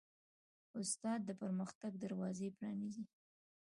استاد د پرمختګ دروازې پرانیزي.